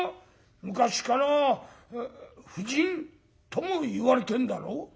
昔から婦人とも言われてんだろ？」。